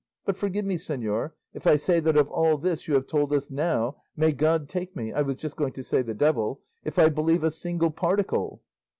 But forgive me, señor, if I say that of all this you have told us now, may God take me I was just going to say the devil if I believe a single particle."